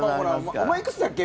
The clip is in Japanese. お前いくつだっけ？